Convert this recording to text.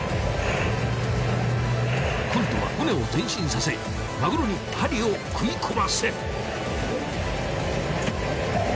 今度は船を前進させマグロに針を喰い込ませる。